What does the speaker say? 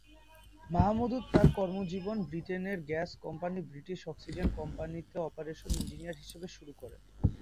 মাহমুদুর তার কর্মজীবন ব্রিটেনের গ্যাস কোম্পানি ব্রিটিশ অক্সিজেন কোম্পানিতে অপারেশন ইঞ্জিনিয়ার হিসাবে কাজ শুরু করেন।